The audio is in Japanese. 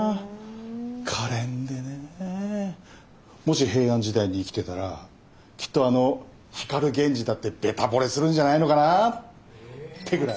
可憐でねぇもし平安時代に生きてたらきっとあの光源氏だってベタ惚れするんじゃないのかなってぐらい。